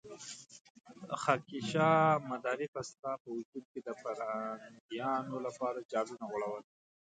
خاکيشاه مداري به ستا په وجود کې د فرهنګيانو لپاره جالونه غوړول.